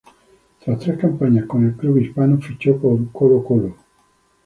Tras tres campañas con el club hispano, fichó por Colo-Colo.